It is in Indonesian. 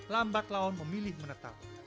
lambat laun memilih menetap